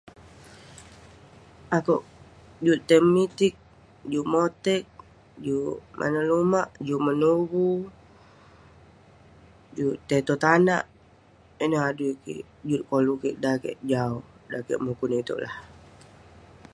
Akeuk juk tai mitiq, juk moteq, juk maneuk lumak, juk menugu, juk tai tong tanak. Ineuk adui kik juk koluk kik dan kik jau, dan kik mukun iteuk lah.